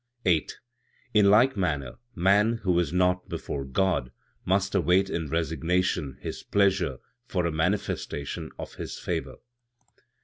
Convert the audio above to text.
8. "In like manner, man, who is naught before God, must await in resignation His pleasure for a manifestation of His favor.